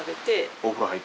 お風呂入って。